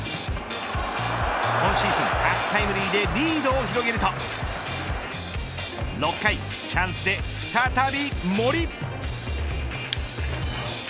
今シーズン初タイムリーでリードを広げると６回、チャンスで再び森。